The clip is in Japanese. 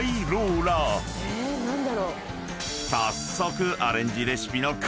［早速］